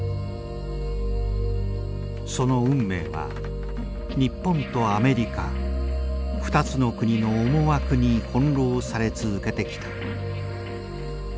その運命は日本とアメリカ２つの国の思惑に翻弄され続けてきた。